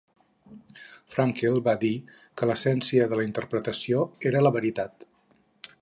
Frankel va dir que l'essència de la interpretació era la veritat.